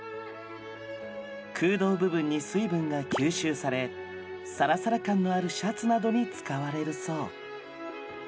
空洞部分に水分が吸収されサラサラ感のあるシャツなどに使われるそう。